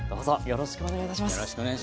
よろしくお願いします。